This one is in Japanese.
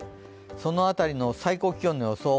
その辺りの最高気温の予想。